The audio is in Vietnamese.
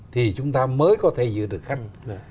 thì chúng ta mới có thể giữ được khách